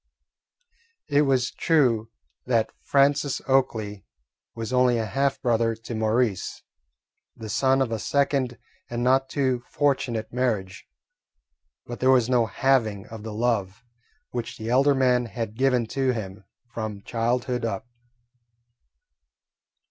It was true that Francis Oakley was only a half brother to Maurice, the son of a second and not too fortunate marriage, but there was no halving of the love which the elder man had given to him from childhood up.